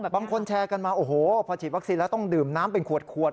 บางคนแชร์กันมาโอ้โหพอฉีดวัคซีนแล้วต้องดื่มน้ำเป็นขวด